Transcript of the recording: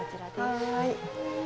はい。